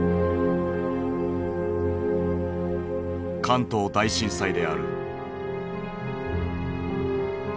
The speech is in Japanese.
関東大震災である。